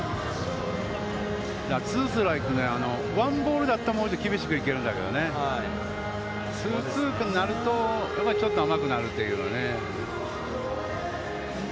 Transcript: ツーストライクね、ワンボールだったら、もうちょっと厳しく行けるんだけどね、ツーツーになると、やっぱりちょっと甘くなるというね。